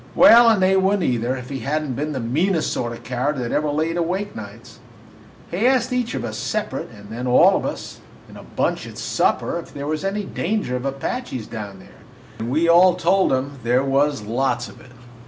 Well, and they would n't, either, if he had n't been the meanest sort of a coward that ever laid awake nights. He asked each of us separate, and then all of us in a bunch at supper, if there was any danger of Apaches down there, and we all told him there was, lots of it.